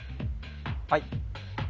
はい